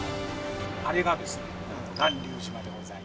あれがですね巌流島でございます。